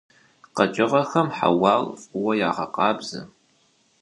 КъэкӀыгъэхэм хьэуар фӀыуэ ягъэкъабзэ.